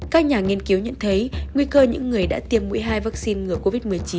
các nhà nghiên cứu nhận thấy nguy cơ những người đã tiêm mũi hai vaccine ngừa covid một mươi chín